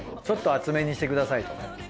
ちょっと厚めにしてくださいと。